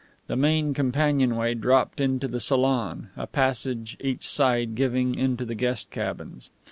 The main companionway dropped into the salon, a passage each side giving into the guest cabins.